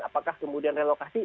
apakah kemudian relokasi